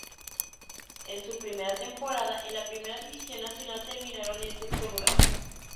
En su primera temporada en la primera división nacional terminaron en sexto lugar.